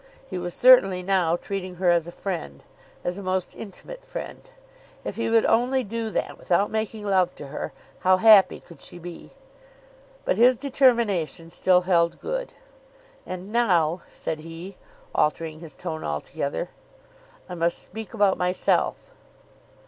He was certainly now treating her as a friend, as a most intimate friend. If he would only do that without making love to her, how happy could she be! But his determination still held good. "And now," said he, altering his tone altogether, "I must speak about myself."